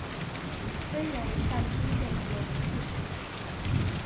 虽然上天眷顾的人不少